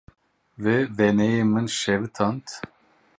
Wê wêneyê min şewitand.